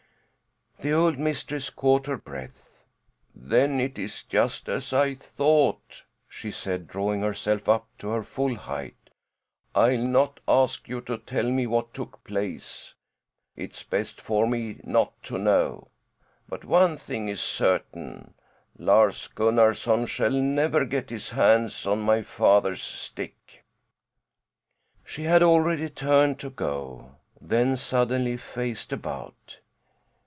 The old mistress caught her breath. "Then it is just as I thought!" she said, drawing herself up to her full height. "I'll not ask you to tell what took place. It's best for me not to know. But one thing is certain, Lars Gunnarson shall never get his hands on my father's stick!" She had already turned to go, then suddenly faced about.